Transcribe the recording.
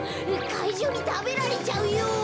かいじゅうにたべられちゃうよ。